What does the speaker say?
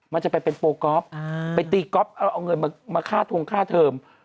มันจะไปเป็นโปรกอล์ฟไปตีก๊อฟเอาเงินมาฆ่าทวงค่าเทอม